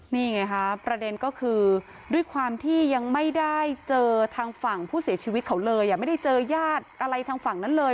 นี่ไงคะประเด็นก็คือด้วยความที่ยังไม่ได้เจอทางฝั่งผู้เสียชีวิตเขาเลยไม่ได้เจอญาติอะไรทางฝั่งนั้นเลย